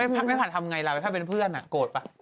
แม่ผัดทำไงล่ะถ้าเป็นเพื่อนโกรธป่ะ